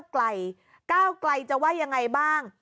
ก้าวไกลจะว่ายังไงบ้าง